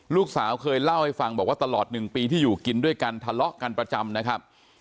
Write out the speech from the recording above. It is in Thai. ลูกสาวเคยเล่าให้ฟังบอกว่าตลอด๑ปีที่อยู่กินด้วยกันทะเลาะกันประจำนะครับ